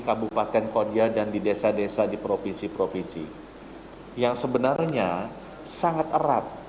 kabupaten kodia dan di desa desa di provinsi provinsi yang sebenarnya sangat erat